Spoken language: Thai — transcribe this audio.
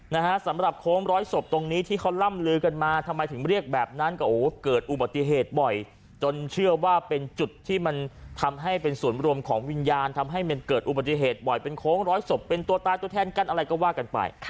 นะฮะสำหรับโค้งร้อยศพตรงนี้ที่เขาล่ำลือกันมาทำไมถึงเรียกแบบนั้นก็โอ้เกิดอุบัติเหตุบ่อยจนเชื่อว่าเป็นจุดที่มันทำให้เป็นส่วนรวมของวิญญาณทำให้มันเกิดอุบัติเหตุบ่อยเป็นโค้งร้อยศพเป็นตัวตายตัวแทนกันอะไรก็ว่ากันไป